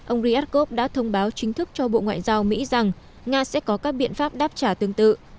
ông riyadkov đã thông báo chính thức cho bộ ngoại giao mỹ rằng nga sẽ có các biện pháp đáp trả tương tự